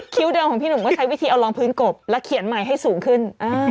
เดิมของพี่หนุ่มก็ใช้วิธีเอารองพื้นกบแล้วเขียนใหม่ให้สูงขึ้น